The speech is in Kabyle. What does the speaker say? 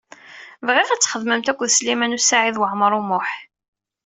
Bɣiɣ ad txedmemt akked Sliman U Saɛid Waɛmaṛ U Muḥ.